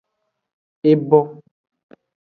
Ebo.